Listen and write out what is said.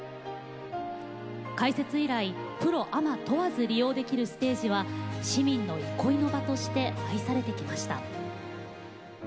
開設以来、プロ、アマ問わず利用できるステージは市民の憩いの場として愛されてきました。